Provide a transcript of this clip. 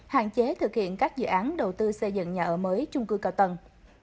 hạn chế thực hiện các dự án đầu tư xây dựng nhà ở mới trung cư cao tầng